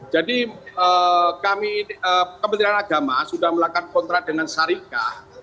jadi kami kementerian agama sudah melakukan kontrak dengan syarikat